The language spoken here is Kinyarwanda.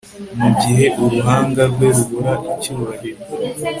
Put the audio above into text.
mugihe uruhanga rwe rubura icyubahiro